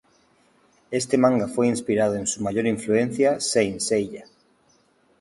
Este manga fue inspirado en su mayor influencia Saint Seiya.